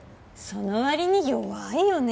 そのわりに弱いよね。